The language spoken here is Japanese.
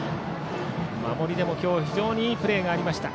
守りでも今日は非常にいいプレーがありました。